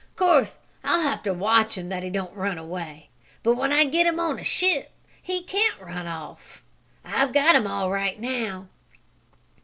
Course I'll have to watch him that he don't run away, but when I get him on a ship he can't run off. I've got him all right now!"